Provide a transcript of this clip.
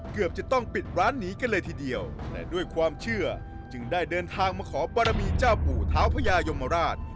เกือบจะต้องปิดร้านหนีกันเลยทีเดียวแต่ด้วยความเชื่อจึงได้เดินทางมาขอบรมีเจ้าปู่เท้าพญายมราช